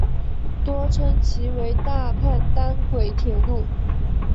多称其为大阪单轨铁路。